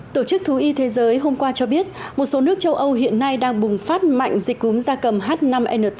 tổ chức thú y thế giới hôm qua cho biết một số nước châu âu hiện nay đang bùng phát mạnh dịch cúm da cầm h năm n tám